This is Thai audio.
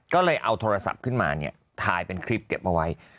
ก็เลยเอาโทรศัพท์ขึ้นมาทายเป็นคลิปเก็บไว้